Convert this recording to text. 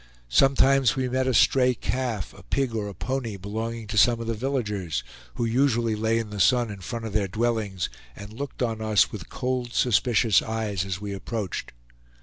Sometimes we met a stray calf, a pig or a pony, belonging to some of the villagers, who usually lay in the sun in front of their dwellings, and looked on us with cold, suspicious eyes as we approached.